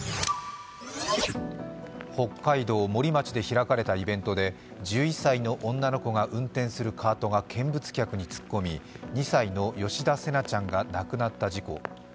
北海道森町で開かれたイベントで１１歳の女の子が運転するカートが見物客に突っ込み、２歳の吉田成那ちゃんが亡くなった事故。